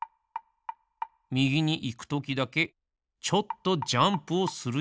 みぎにいくときだけちょっとジャンプをするようになりました。